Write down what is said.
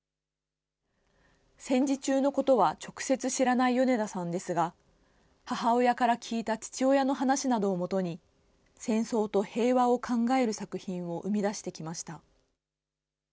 戦時中のことは直接知らない米田さんですが、母親から聞いた父親の話などを基に、戦争と平和を考える作品を生み出してきました。